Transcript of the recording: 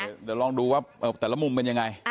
เดี๋ยวลองดูว่าแต่ละมุมเป็นยังไง